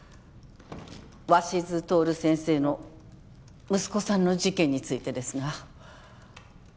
・鷲津亨先生の息子さんの事件についてですが。